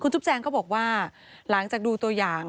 จุ๊บแจงก็บอกว่าหลังจากดูตัวอย่าง